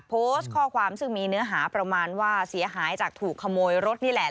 โพสต์ข้อความซึ่งมีเนื้อหาประมาณว่าเสียหายจากถูกขโมยรถนี่แหละ